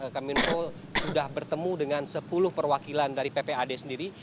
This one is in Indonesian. kominfo sudah bertemu dengan sepuluh perwakilan dari ppad sendiri